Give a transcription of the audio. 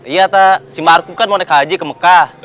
iya tak simarku kan mau naik haji ke mekah